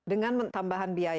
dengan tambahan biaya